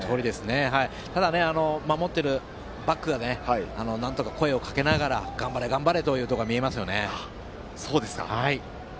ただ、守っているバックが声をかけながら頑張れ、頑張れというところが見えますよね。